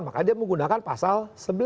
maka dia menggunakan pasal sebelas